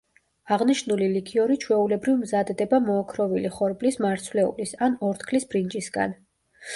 აღნიშნული ლიქიორი ჩვეულებრივ მზადდება მოოქროვილი ხორბლის მარცვლეულის ან ორთქლის ბრინჯისგან.